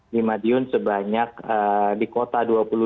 di madiun sebanyak di kota dua puluh lima